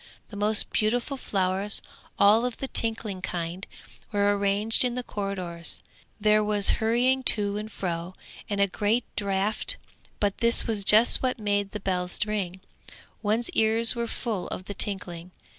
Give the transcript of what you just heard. The most beautiful flowers, all of the tinkling kind, were arranged in the corridors; there was hurrying to and fro, and a great draught, but this was just what made the bells ring; one's ears were full of the tinkling.